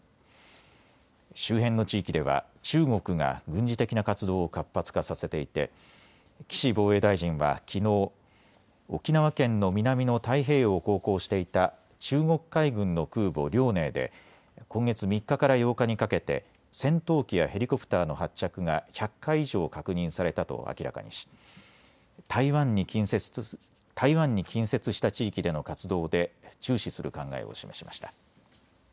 周辺の地域では中国が軍事的な活動を活発化させていて岸防衛大臣はきのう、沖縄県の南の太平洋を航行していた中国海軍の空母、遼寧で今月３日から８日にかけて戦闘機やヘリコプターの発着が１００回以上確認されたと明らかにし台湾に近接した地域での活動で注視する考えを示しました。